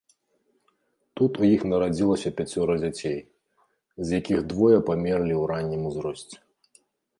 Тут у іх нарадзіліся пяцёра дзяцей, з якіх двое памерлі ў раннім узросце.